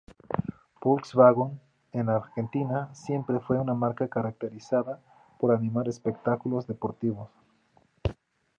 Volkswagen, en Argentina, siempre fue una marca caracterizada por animar espectáculos deportivos.